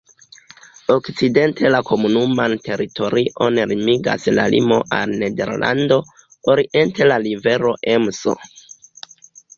Okcidente la komunuman teritorion limigas la limo al Nederlando, oriente la rivero Emso.